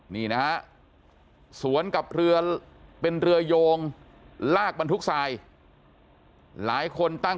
นี่นะฮะสวนกับเรือเป็นเรือโยงลากบรรทุกทรายหลายคนตั้ง